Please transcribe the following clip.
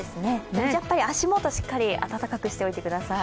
足元、しっかり暖かくしておいてください。